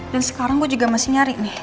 dan sekarang gue juga masih nyari nih